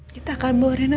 kita akan bawa rena